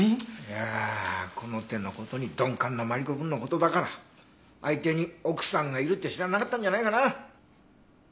いやこの手の事に鈍感なマリコくんの事だから相手に奥さんがいるって知らなかったんじゃないかな。